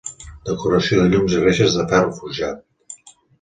Decoració de llums i reixes de ferro forjat.